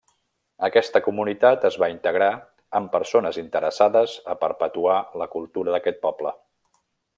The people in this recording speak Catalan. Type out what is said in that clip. Aquesta comunitat es va integrar amb persones interessades a perpetuar la cultura d'aquest poble.